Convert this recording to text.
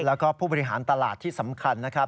แล้วก็ผู้บริหารตลาดที่สำคัญนะครับ